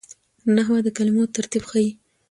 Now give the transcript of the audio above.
نحوه د کلمو ترتیب ښيي.